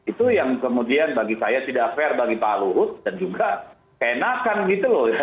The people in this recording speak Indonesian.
itu yang kemudian bagi saya tidak fair bagi pak luhut dan juga keenakan gitu loh